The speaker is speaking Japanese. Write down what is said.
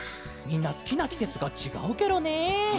みんなすきなきせつがちがうケロね！